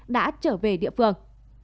đã trở về địa phương